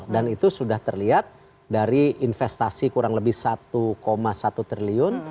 dan itu sudah terlihat dari investasi kurang lebih satu satu triliun